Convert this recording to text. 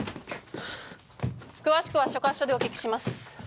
詳しくは所轄署でお聞きします。